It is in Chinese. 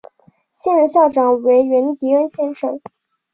现任校长为源迪恩先生。